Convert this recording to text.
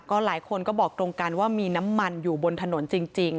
หลายคนก็บอกตรงกันว่ามีน้ำมันอยู่บนถนนจริง